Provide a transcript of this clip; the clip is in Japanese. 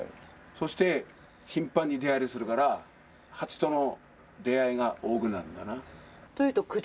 そして頻繁に出はいりするから、ハチとの出会いが多くなるんだな。